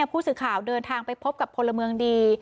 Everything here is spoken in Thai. ผู้สื่อข่าวเดินทางไปพบกับพลเมืองดี